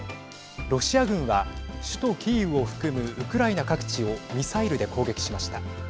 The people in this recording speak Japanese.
ロシア軍は首都キーウを含むウクライナ各地をミサイルで攻撃しました。